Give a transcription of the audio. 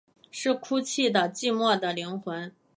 是哭泣的寂寞的灵魂